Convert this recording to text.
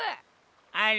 あれ？